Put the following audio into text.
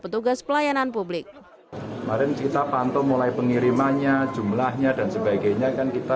petugas pelayanan publik mari kita pantau mulai pengirimannya jumlahnya dan sebagainya kan kita